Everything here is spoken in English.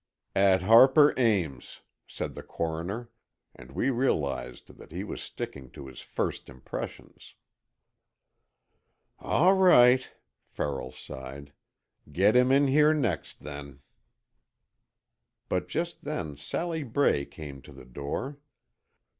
"At Harper Ames," said the coroner, and we realized that he was sticking to his first impressions. "All right," Farrell sighed. "Get him in here next, then." But just then, Sally Bray came to the door.